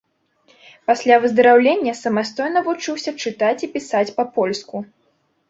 Пасля выздараўлення самастойна вучыўся чытаць і пісаць па-польску.